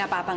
ibu apa itu